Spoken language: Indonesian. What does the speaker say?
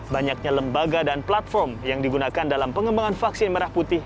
banyaknya lembaga dan platform yang digunakan dalam pengembangan vaksin merah putih